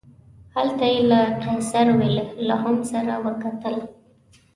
هلته یې له قیصر ویلهلم سره وکتل.